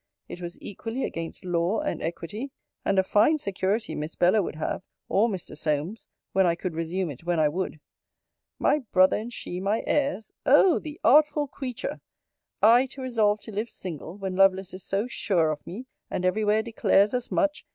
It was equally against law and equity: and a fine security Miss Bella would have, or Mr. Solmes, when I could resume it when I would! My brother and she my heirs! O the artful creature! I to resolve to live single, when Lovelace is so sure of me and every where declares as much!